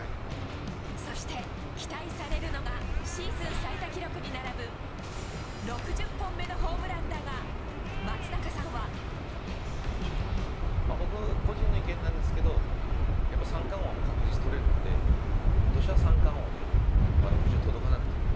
そして、期待されるのが、シーズン最多記録に並ぶ、６０本目のホームラン僕個人の意見なんですけど、やっぱり三冠王は確実、取れるので、ことしは三冠王で、６０届かなくても。